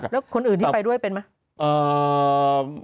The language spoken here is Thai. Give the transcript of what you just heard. แล้วคนอื่นที่ไปด้วยเป็นไหม